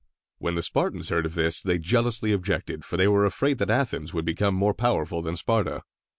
When the Spartans heard of this, they jealously objected, for they were afraid that Athens would become more powerful than Sparta.